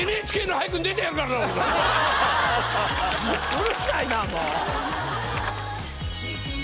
うるさいなもう。